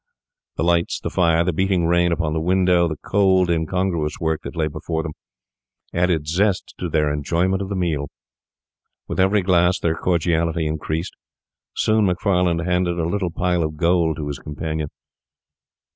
The lights, the fire, the beating rain upon the window, the cold, incongruous work that lay before them, added zest to their enjoyment of the meal. With every glass their cordiality increased. Soon Macfarlane handed a little pile of gold to his companion.